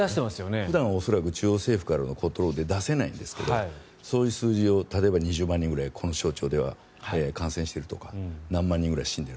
普段は恐らく中国政府から出せないんですがそういう数字を例えば２０万人くらいこの省では感染しているとか何万人ぐらい死んでいる。